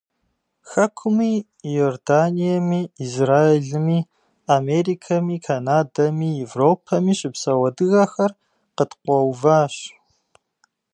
Хэкуми, Иорданиеми, Израилми, Америкэми, Канадэми, Европэми щыпсэу адыгэхэр къыткъуэуващ.